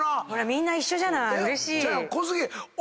みんな一緒じゃない。